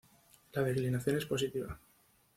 La declinación es positiva.